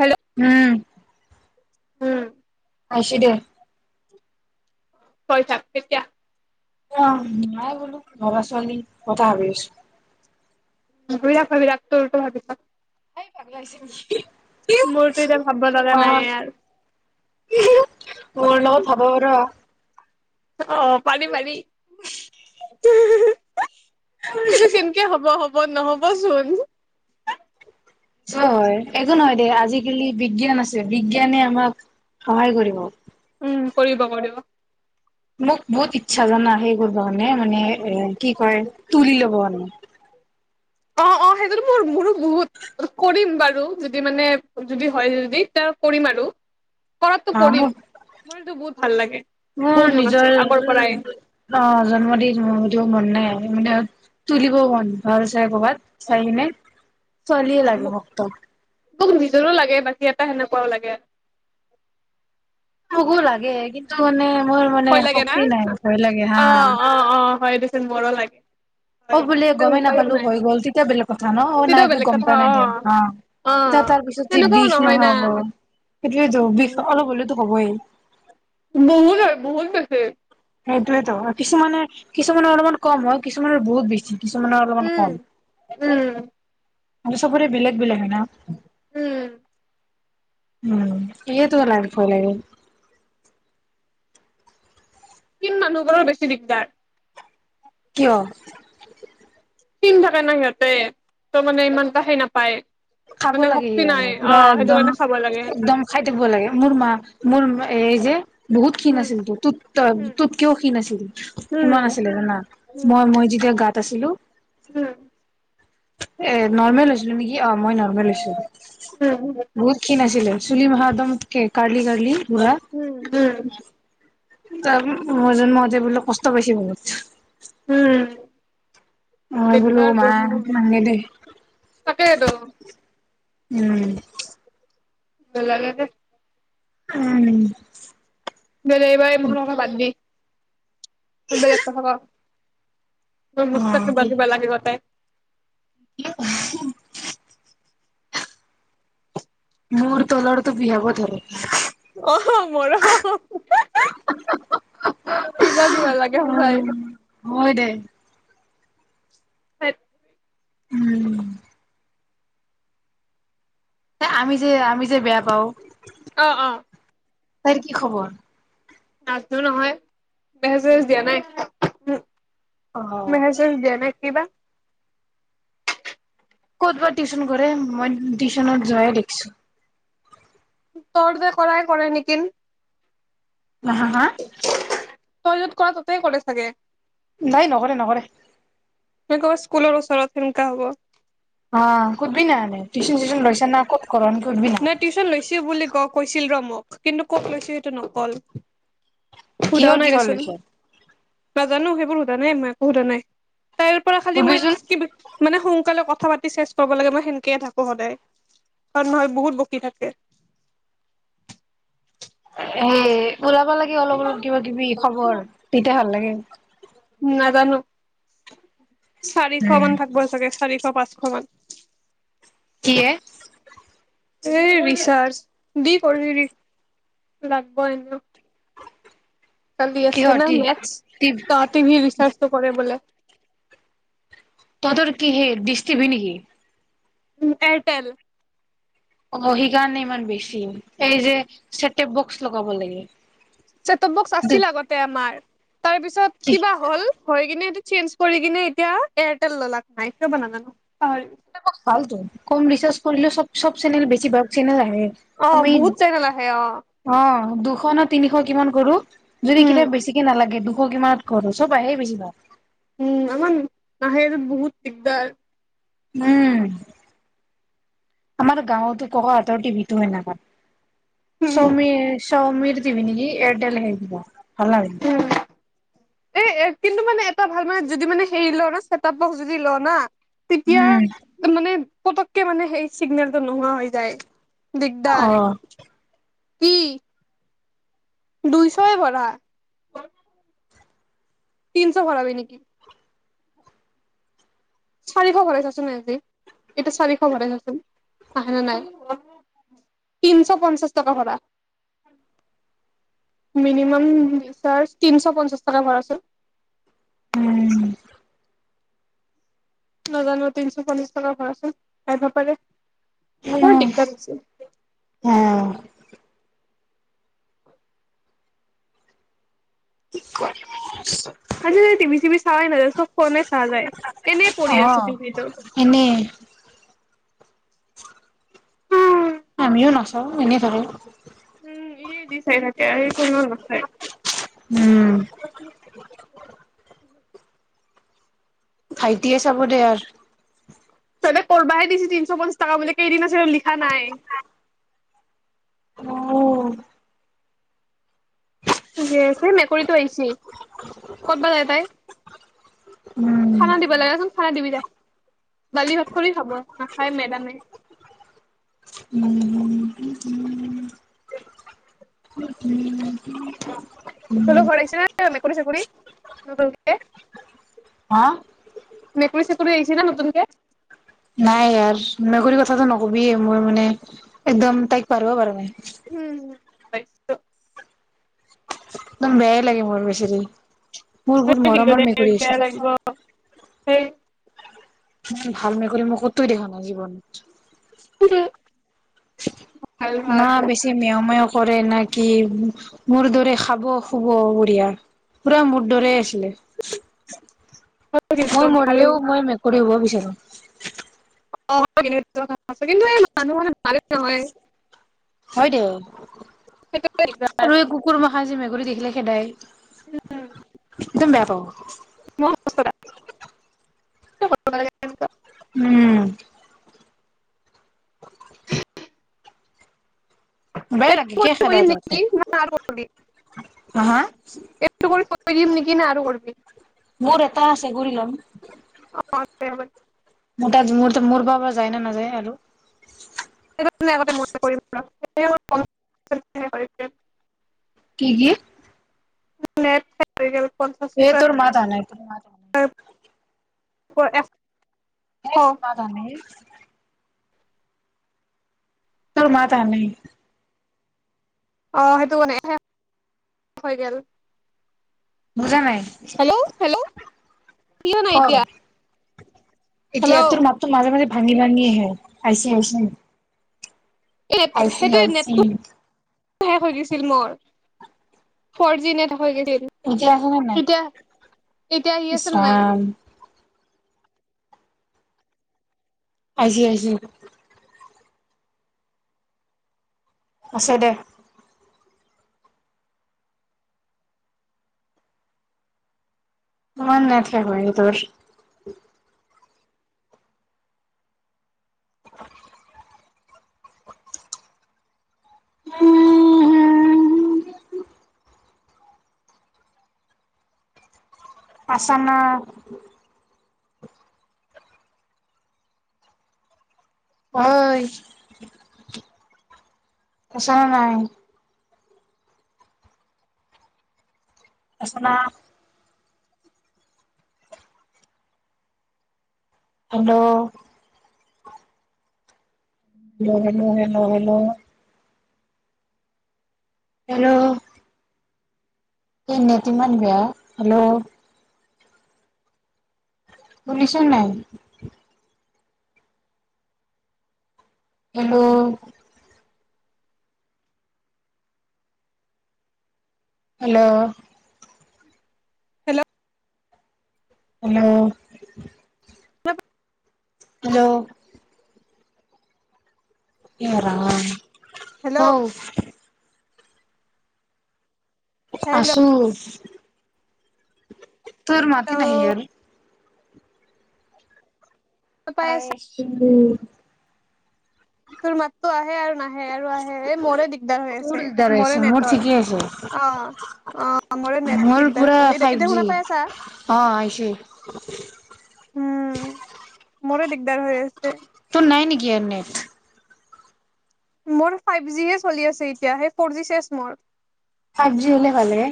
Hello উম। উম। পাইছো দে। কৰি থাক এতিয়া। অ', নাই বোলো ভবা ছোৱালী কথা ভাবি আছো। ভাবি ৰাখ ভাবি ৰাখ তোৰ তো ভাবি থাক। মোৰতো এতিয়া ভাবিব লগা নাই আৰু [unintelligible] মোৰ লগত ভাবিব ধৰা। অ', পাৰি পাৰি। কিন্তু কেনেকে হ'ব হ'ব, নহ'ব চোন। টো হয়। একো নহয় দে আজিকালি বিজ্ঞান আছে বিজ্ঞান আমাক সহায় কৰিব। উম, কৰিব কৰিব। মোক বহুত ইচ্ছা জানা সেই কৰিব কাৰণে মানে এ কি কয় তুলি ল'ব কাৰনে। অ', অ' সেইটোতো মোৰো বহুত কৰিম বাৰু, যদি মানে যদি হয় যদি এতিয়া কৰিম আৰু। কৰাতটো অ কৰিম, মোক মনতো বহুত ভাল লাগে, মোৰ বহুত মন নিজৰ আছে আগৰ পৰাই। অ', জন্মদিনও হ'লেও মন নাই মানে, তুলিবও মন ভালচে কৰবাত। চাই কিনে চলিয়ে উম লাগে মোক মোকটো। মোক নিজৰো লাগে বাকী এটা সেনেকুৱাও লাগে। মোকো লাগে কিন্তু মোৰ মানে ভয় লাগে না শক্তি নাই ভয় লাগে, অ হা'। অ অ', হয় দেচোন মোৰো লাগে। অ', হয় বোলে গ'মেই উপায়ো নাপালো নাই হৈ গ'ল, তেতিয়া বেলেগ কথা ন, অ' নাই তেতিয়া একো বেলেগ গ'ম কথা পোৱা নাই দে। অ' অ যা তাৰ পিছত যে তেনেকুৱাও বিষ নহয় না নহ'ব, সেইটোয়েতো বিষ অলপ হলেতো হ'বই। বহুত হয় বহুত বেছি। সেইটোয়েতো, কিছুমানে কিছুমানৰ অলপমান কম হয় কিছুমানৰ বহুত বেছি। কিছুমানৰ অলপমান উম কম, উম মানে চবৰে বেলেগ বেলেগ হয় ন। উম। উম এয়া তোৰ লাইভ ভয় লাগে খিন মানুহবোৰৰ বেছি দিগদাৰ কিয়? খীন থাকে নাই সিহঁতে ত মানে ইমান এটা হেই নাপায় খাব মানে লাগে শক্তি সেই নাই কাৰণে অ পুৰা সেইটো একদম কাৰণে চাব লাগে একদম খাই থাকিব লাগে মোৰ মা মোৰ এই যে বহুত খীণ উম আছিল তো তোৰত উম ততকেও খীণ আছিল সিমান উম আছিলে জানা মই মই যেতিয়া গাত আছিলো হম অএ নৰ্মেল হৈছিলো নেকি মই নৰ্মেল হৈছো উম উম বহুত খীণ আছিল আছিলে চুুলি মাখা একদমত কে ৰ্কালি ৰ্কালি ঘুৰা উম উম তাৰ মই জন্ম হওঁতে বোলে কষ্ট পাইছে বহুত উম অ বোলো দিগদাৰ মা বহুত নালাগে দে তাকেইতো উম [unintelligible] উম ডেলিভাৰি কথা বাদ দি বেলেগ কথা ক অ মস্তক কিবা কি কিবা লাগিব তাই [unintelligible] মোৰ তলৰতো বিষাব ধৰে অ মোৰো কিবা কিবা লাগে সঁচাই হয় দে ধেত উম আমি যে আমি যে বেয়া পাওঁ অ অ তাই কি খবৰ? নাজনো নহয় মেছেজ চেছেজ দিয়া নাই অ চ দিয়া নাই কিবা ক'ত বা টিউচন কৰে মই টিউচনত যোৱাই দেখিছো তৰ্দে কৰাই কৰে নেকিন আ হা হা তই যত কৰা ততেই কৰে চাগে নাই নকৰে নকৰে কবাত স্কুলৰ ওচৰত সেনেকা হব অ সুধবিনা এনে টিউচন চিউচন লৈছা না ক'ত কৰ এনেকে সুধবিনা ন টিউচন লৈছো বুলি ক কৈছিল ৰ মোক কিন্তু ক'ত লৈছে সেইটো নকল সোধাও কিহৰ নাই কিহৰ দেছোন লৈছে নাজানো সেইবোৰ সোধা নাই মই একো সোধা নাই তাইৰ পৰা খালি মই সুধবিচোন কি মানে সোনকালে কথা পাতি চেষ্ট কৰিব লাগে মই সেনেকেই থাকো সদায় হয় কাৰন বহুত বকি থাকে এ ওলাবা লাগে অলপ অলপ কিবা কিবি খবৰ তেতিয়া ভাল লাগে নাজানো চাৰিশ উম মান থাকিব চাগে চাৰিশ পাঁচ শমান কি এ এই ৰিচাৰ্জ দি কৰি দি লাগিব এনেও কালি আছে কিহৰ না টি মেটছ টি ত টি ভি ৰিচাৰ্জটো কৰে বোলে তহতৰ কি সেই ডিছ টিভি নিকি? উ এয়াৰটেল অ সেকাৰণে ইমান বেছি এই যে ছেটঅপ বক্স লগাব লাগে চেটপ বক্স আছিল আগতে আমাৰ তাৰপিছত কি কিবা হ'ল হৈ কিনে এইটো চেঞ্জ কৰি কিনে এতিয়া এয়াৰটেল ললাক না কিয় বা নাজানো পাহৰিলো [unintelligible] ভালটো কম ৰিচাৰ্জ কৰিলেও চব চব চেনেল বেছিভাগ চেনেল আহে অ আমি বহুত চেনেল আহে অ অ দুশ নে তিনিশ কিমান কৰো যদি উম কেতিয়াবা বেছিকে নালাগে দুশ কিমানত কৰো চব আহেই বেছিভাগ উম আমাৰ নাহে [unintelligible] বহুত দিগদাৰ উম আমাৰ গাঁৱতো ককা হতৰ টিভিতো সেনেকুৱা উম ছাউমি ছাউমিৰ টিভি নেকি এয়াৰটেল হেইকিতা ভালাই উম এ কিন্তু মানে এটা ভাল মানে যদি মানে হেৰি ল না চেটতপ বক্স যদি ল না তেতিয়া উম মানে পতককে মানে সেই চিগনেলটো নোহোৱা হৈ যায় দিগদাৰ অ কি? দুইশই ভৰা তিনিশ ভৰাবি নেকি? চাৰিশ ভৰাইচাচোন আজি এইটো চাৰিশ ভৰাইচাচোন আহে না নাই তিনিশ পঞ্চাশ টকা ভৰা মিনিমাম ৰিচাৰ্জ তিনিশ পঞ্চাশ টাকা ভৰাচোন উম নাজানো তিনিশ চল্লিছ টাকা ভৰাচোন আহিবা পাৰে বৰ দিগদাৰ হৈছে অহ কি [unintelligible] আজিকালি টিভি চিভি চাৱাই নাযায় চব ফোনে চাৱা যায় এনেই পৰি আছে টিভিটো এনে উম আমিও নাচাও এনে ধৰে উম ই দি চাই থাকে আৰু স কোনো নাচাই উম ভাইটিয়ে চাব দে আৰ সিহঁতে কৰবাহে দিছি তিনশ পঞ্চাশ টাকা বুলি কেইদিন আছিল লিখা নাই অহ আছে মেকুৰীতো আইছি ক'তবা যায় তাই উম খানা দিবা লাগেচোন পিছত খানা দিবি দে দালি ভাত কনি খাব নাখাই মেদামে উম [unintelligible] উম [unintelligible] তহতৰ ঘৰত‌ আছে না মেকুৰী চেকুৰী নতুনকে হা মেকুৰী চেকুৰী আহিছে নে নতুনকে? নাই আৰু, মেকুৰীৰ কথাটো নকবিয়ে, মোৰ মানে একদম তাইক পাহৰিব পৰা নাই। উম। একদম বেয়াই লাগে মোৰ, বেচেৰী মোৰ বহুত মৰমৰ মেকুৰী আছিল। লাগিব ভাল মেকুৰী মই কতই দেখো জীৱনত। [inaudible] ভাল না বেছি। না, বেছিকৈ মেও মেও কৰে নে কি! মোৰ দৰে খাব, শুব বঢ়িয়া। পুৰা মোৰ দৰে আছিলে মই ভাল মৰিলেও মই মেক মেকুৰী হব বিচাৰো। [inaudible] হয় দে, সেইটোৱে আৰু দিগদাৰ এই কুকুৰমখাই যে মেকুৰী দেখিলে খেদাই। একদম বেয়া পাও। [inaudible] উম। [inaudible] [inaudible] বেয়া লাগে কৰি কিয় কৰি থৈ খেদাই দিম তহঁতে নেকি না আৰু হা হা কৰিবি। মোৰ এটা আছে ঘূৰি লম। [inaudible] মোৰ তাত মোৰ মোৰ পৰা বা যায় না নাযায় আৰু। [inaudible] কি কি? তোৰ মাত আহা নাই তোৰ [inaudible] মাত আহা নাই [inaudible] [inaudible] তোৰ মাত অহা নাই। অ সেইটো মানে শেষ হৈ গেল। বুজা নাই। হেল্ল', হেল্ল' কিয় ক নাই এতিয়া? এতিয়া হেল্ল' তোৰ মাততো মাজে মাজে ভাঙি ভাঙি আহে আইছি আইছি। [inaudible] সেইটোৱে আইচি নেটটো। শেষ হৈ গৈছিল মোৰ, ফৰ জি নেট হৈ গৈছি। এতিয়া আহে নে নাই এতিয়া এতিয়া আহি ইচ আছে নে নাই? ৰাম আইছি, আইছি। আছে দে। কিমান নেট শেষ হৈ তোৰ? [unintelligible] আচা না? ঐ, আছা নে নাই? আচা না? Hello! Hello, hello, hello, hello. Hello! ইয়াত নেট ইমান বেয়া, হেল্ল'! শুনিছ নে নাই? Hello! Hello! Hello hello! [unintelligible] Hello! হে ৰাম! হেল্ল' [unintelligible] হেল্ল' আছো। তোৰ মাতে নাহে ইয়াৰ? পাই আছো [unintelligible] তোৰ মাতটো আহে আৰু না হে আৰু আহে, এই মোৰে দিগদাৰ হৈ আছে, মোৰে নেটৰ। অ'। অ, মোৰে নেট মোৰ দিগদাৰ। পুৰা [unintelligible] ফাইভ এতিয়া জি শুনা পাই আছা? অ আহিছে উম, মোৰে দিগদাৰ হৈ আছে। তোৰ নাই নেকি আৰু নেট? মোৰ ফাইভ জিহে চলি আছে, এতিয়া হে ফ'ৰ জি চেছ মোৰ। ফাইভ জি হ'লে ভালেহে।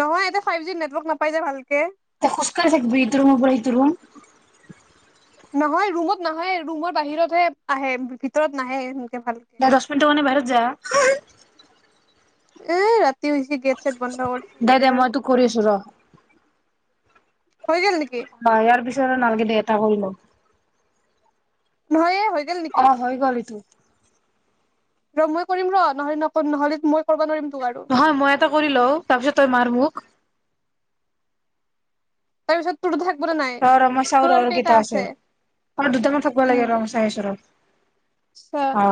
নহয়, ইয়াতে ফাইভ জি নেটৱৰ্ক নাপাই যে ভালকে! তই খোজকাঢ়ি থাকিবি, ইটো ৰুমৰ পৰা সিটো ৰুম। নহয়, ৰুমত নাহে, ৰুমৰ বাহিৰতহে আহে, ভিতৰত নাহে, এনেকে ভালকে। দে দহ মিনিটৰ কাৰনে বাহিৰত যা। এ, ৰাতি হৈছে, গেট-চেট বন্ধ কৰিছে, দে দে এতিয়া মই আৰু তোক কৰি আছো ৰ। হৈ গ'ল নেকি? ইয়াৰ পিছত আৰু নালাগে দে, এটা কৰি ল'। [unintelligible] অ, হৈ গ'ল ইটো। ৰ মই কৰিম ৰ, তই নকৰ, নহ'লে মই কৰিব নোৱাৰিম তোক আৰু। হয়, মই এটা কৰি লওঁ, তাৰপিছত তই মাৰ মোক? তাৰ পিছত তোৰ থাকিব নে নাই? ৰ, ৰ, মই চাও ৰ, আৰু কেইটা আছে, আৰু দুটামান থাকিব লাগে, ৰ মই চাই আছো ৰ। অ। অ।